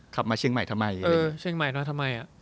ขับมาเชียงใหม่ทำไม